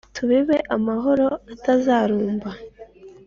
Tubibe amahoro atazarumba